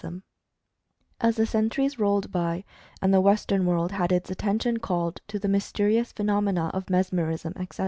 Story of Mental Fascination 27 As the centuries rolled by and the Western world had its attention called to the mysterious phenomena of Mesmerism, etc.